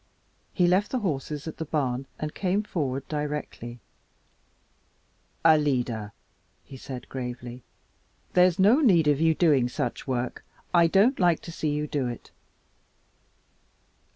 He left the horses at the barn and came forward directly. "Alida," he said gravely, "there's no need of your doing such work; I don't like to see you do it."